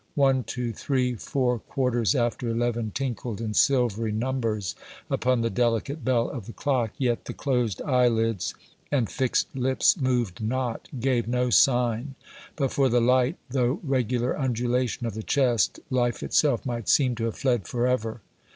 One two three four quarters after eleven tinkled in silvery numbers upon the delicate bell of the clock, yet the closed eyelids and fixed lips moved not, gave no sign; but for the light, though regular undulation of the chest, life itself might seem to have fled forever.